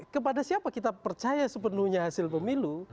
kepada siapa kita percaya sepenuhnya hasil pemilu